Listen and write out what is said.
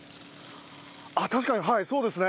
ああ確かにはいそうですね。